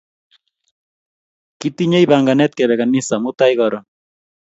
Kitinye panganet kepe kanisa mutai karon